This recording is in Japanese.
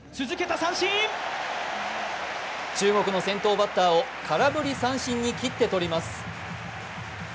中国の先頭バッターを空振り三振に切ってとります。